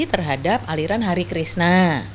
terhadap aliran hari krishna